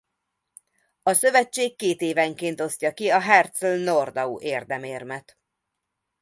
A szövetség kétévenként osztja ki a Herzl–Nordau-érdemérmet.